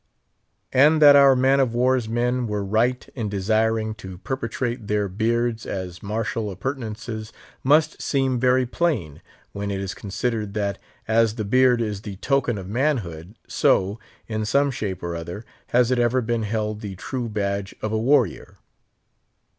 And that our man of war's men were right in desiring to perpetuate their beards, as martial appurtenances, must seem very plain, when it is considered that, as the beard is the token of manhood, so, in some shape or other, has it ever been held the true badge of a warrior.